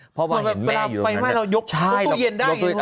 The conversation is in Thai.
เพราะว่าเห็นแม่อยู่ตรงนั้น